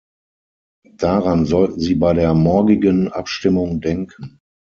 Daran sollten Sie bei der morgigen Abstimmung denken.